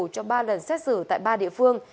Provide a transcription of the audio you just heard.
cho ba lần xét xử tại ba địa phương